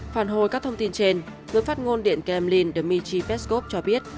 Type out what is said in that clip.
phản hồi các thông tin trên người phát ngôn điện kemlin dmitry peskov cho biết